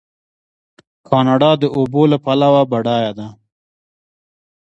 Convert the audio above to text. کاناډا د اوبو له پلوه بډایه ده.